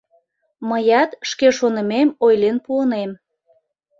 Мыят шке шонымем ойлен пуынем.